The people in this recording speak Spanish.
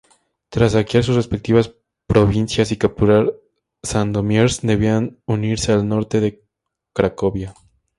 Tras saquear sus respectivas provincias y capturar Sandomierz, debían unirse al norte de Cracovia.